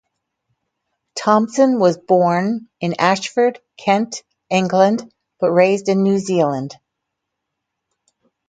Thompson was born in Ashford, Kent, England, but raised in New Zealand.